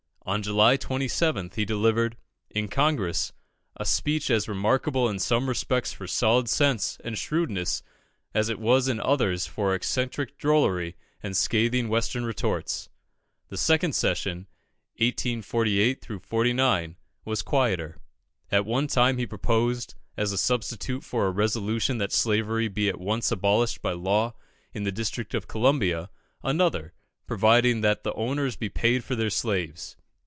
On July 27th, he delivered, in Congress, a speech as remarkable in some respects for solid sense and shrewdness as it was in others for eccentric drollery and scathing Western retorts. The second session, 1848 49, was quieter. At one time he proposed, as a substitute for a resolution that slavery be at once abolished by law in the district of Columbia, another, providing that the owners be paid for their slaves.